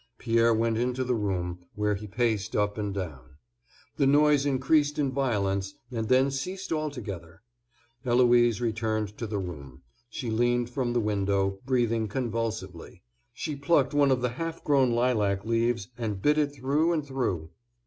Pierre went into the room, where he paced up and down. The noise increased in violence, and then ceased altogether. Eloise returned to the room; she leaned from the window, breathing convulsively; she plucked one of the half grown lilac leaves and bit it through and through.